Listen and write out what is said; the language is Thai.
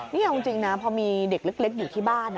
นี่เอาจริงนะพอมีเด็กเล็กอยู่ที่บ้าน